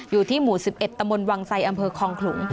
อยู่ที่หมู่๑๑ตมวังไซอำเภอคลองขลุง